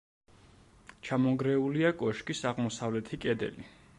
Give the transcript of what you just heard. ჩამონგრეულია კოშკის აღმოსავლეთი კედელი.